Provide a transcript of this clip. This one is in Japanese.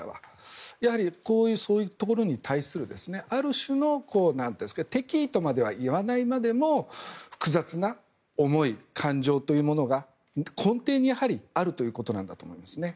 やはりそういうところに対するある種の敵意とまではいわないまでも複雑な思い、感情というものが根底にあるということなんだと思いますね。